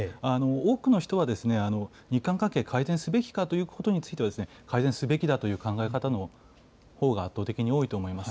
多くの人は、日韓関係改善すべきかということについては、改善すべきだという考え方のほうが圧倒的に多いと思います。